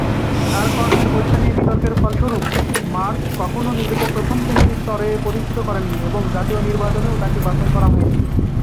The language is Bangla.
তার কর্মের বৈধতা নিয়ে বিতর্কের ফলস্বরূপ, মার্শ কখনও নিজেকে প্রথম-শ্রেণীর স্তরে প্রতিষ্ঠিত করেননি এবং জাতীয় নির্বাচনেও তাঁকে বাছাই করা হয়নি।